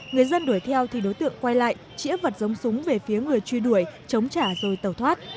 người dân đuổi theo thì đối tượng quay lại chĩa vật giống súng về phía người truy đuổi chống trả rồi tẩu thoát